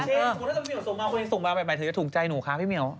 เชนถ้าพี่เมลส่งมาคุณส่งมาใหม่เธอจะถูกใจหนูคะพี่เมล